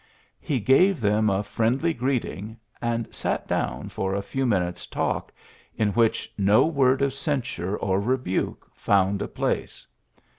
He gave them a friendly greeting, and sat down for a few minutes' talk, in which no word of censure or rebuke found a place.